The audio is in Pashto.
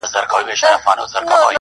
و دې پتنګ زړه ته مي ګرځمه لمبې لټوم،